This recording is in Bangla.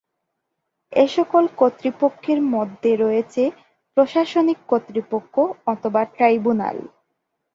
এ সকল কর্তৃপক্ষের মধ্যে রয়েছে প্রশাসনিক কর্তৃপক্ষ অথবা ট্রাইব্যুনাল।